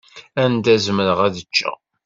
Anda zemreɣ ad ččeɣ.